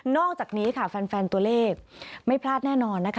นอกจากนี้แฟนตัวเลขไม่พลาดแน่นอน